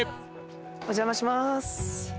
お邪魔します。